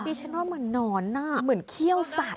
ดิฉันว่าเหมือนนอนเหมือนเขี้ยวสัตว